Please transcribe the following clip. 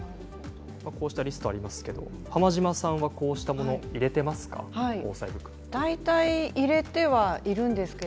こうしたリストがありますけれども浜島さんはこうしたものを防災袋に入れていますか？